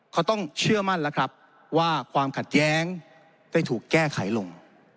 เขาต้องเชื่อมั่นแล้วครับว่าความขัดแย้งได้ถูกแก้ไขลง